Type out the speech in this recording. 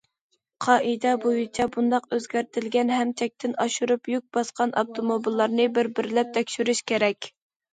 قائىدە بويىچە بۇنداق ئۆزگەرتىلگەن ھەم چەكتىن ئاشۇرۇپ يۈك باسقان ئاپتوموبىللارنى بىر بىرلەپ تەكشۈرۈش كېرەك.